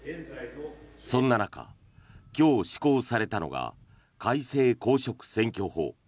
そんな中、今日施行されたのが改正公職選挙法。